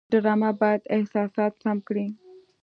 ډرامه باید احساسات سم کړي